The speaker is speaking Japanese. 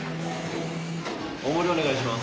大盛りお願いします。